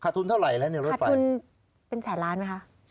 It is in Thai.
ขาดทุนเท่าไรแล้วเนี่ยรถไฟขาดทุนเป็นแสนล้านไหมคะ